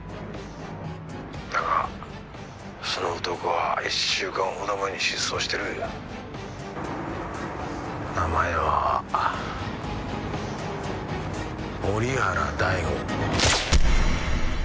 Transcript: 「だがその男は１週間ほど前に失踪してる」名前は折原大吾。